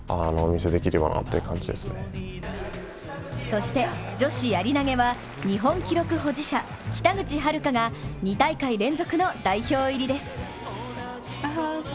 そして女子やり投げは日本記録保持者、北口榛花が２大会連続の代表入りです。